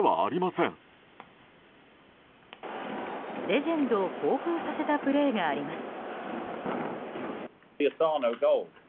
レジェンドを興奮させたプレーがあります。